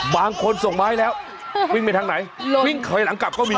บางคนส่งไม้แล้ววิ่งไปทางไหนวิ่งถอยหลังกลับก็มี